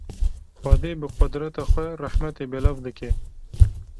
Xwedê bi qudreta xwe rahmetê belav dike.